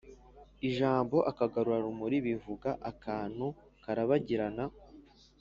Ijambo "akagarura-rumuri" bivuga akantu karabagirana